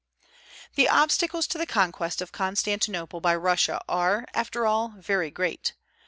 The obstacles to the conquest of Constantinople by Russia are, after all, very great.